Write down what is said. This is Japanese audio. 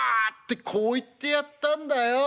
こう言ってやったんだよ。